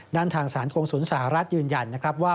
ด้านทางสถานกงสุนสหรัฐยืนยันว่า